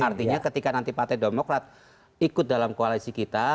artinya ketika nanti partai demokrat ikut dalam koalisi kita